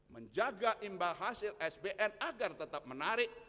menjaga imbal hasil sbn agar tetap menarik